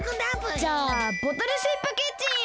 じゃあボトルシップキッチンへ！